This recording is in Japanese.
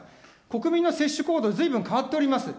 国民の接種行動はずいぶん変わっております。